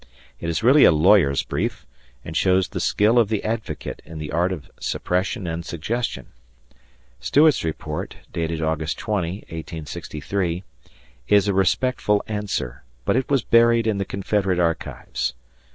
It is really a lawyer's brief and shows the skill of the advocate in the art of suppression and suggestion. Stuart's report, dated August 20, 1863, is a respectful answer, but it was buried in the confederate archives.